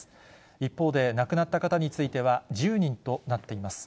一方で、亡くなった方については１０人となっています。